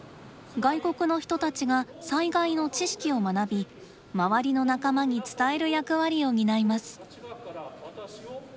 外国の人たちが災害の知識を学び周りの仲間に伝える役割を担います。